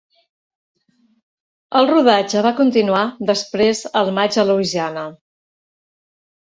El rodatge va continuar després al maig a Louisiana.